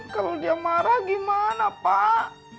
kalau dia marah gimana pak